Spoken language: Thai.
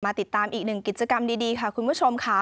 ติดตามอีกหนึ่งกิจกรรมดีค่ะคุณผู้ชมค่ะ